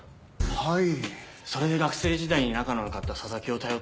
はい。